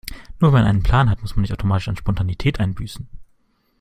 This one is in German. Nur weil man einen Plan hat, muss man nicht automatisch an Spontanität einbüßen.